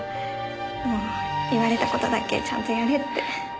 もう言われた事だけちゃんとやれって。